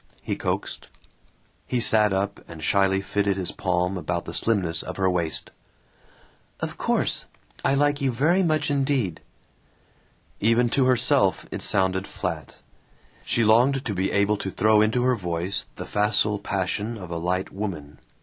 he coaxed. He sat up and shyly fitted his palm about the slimness of her waist. "Of course. I like you very much indeed." Even to herself it sounded flat. She longed to be able to throw into her voice the facile passion of a light woman.